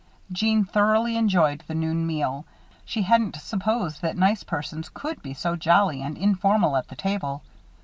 Jeanne thoroughly enjoyed the noon meal she hadn't supposed that nice persons could be so jolly and informal at the table.